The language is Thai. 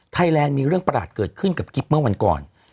แลนด์มีเรื่องประหลาดเกิดขึ้นกับกิ๊บเมื่อวันก่อน